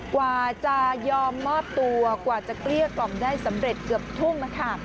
กว่าจะยอมมอบตัวกว่าจะเกลี้ยกล่อมได้สำเร็จเกือบทุ่มนะคะ